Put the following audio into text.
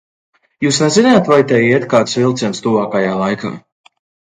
Jūs neziniet, vai te iet kāds vilciens tuvākajā laikā?